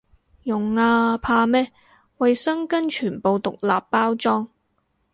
用啊，怕咩，衛生巾全部獨立包裝